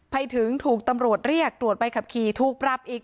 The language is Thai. ไปถึงถูกตำรวจเรียกตรวจใบขับขี่ถูกปรับอีก